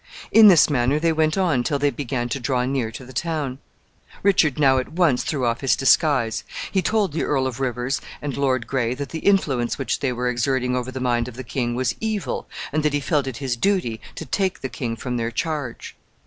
In this manner they went on till they began to draw near to the town. Richard now at once threw off his disguise. He told the Earl of Rivers and Lord Gray that the influence which they were exerting over the mind of the king was evil, and that he felt it his duty to take the king from their charge.